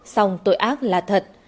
xong tội ác là thật